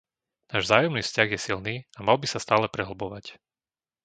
Náš vzájomný vzťah je silný a mal by sa stále prehlbovať.